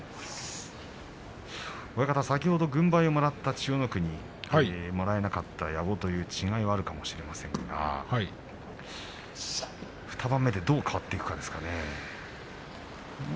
親方、先ほどちょうど軍配をもらった千代の国もらえなかった矢後違いはあるかもしれませんが２番目でどう変わっていくかですね。